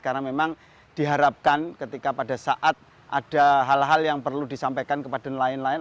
karena memang diharapkan ketika pada saat ada hal hal yang perlu disampaikan kepada nelayan lain